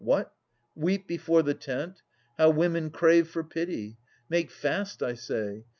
What! weep Before the tent? How women crave for pity! Make fast, I say.